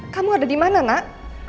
kamu ada dimana nak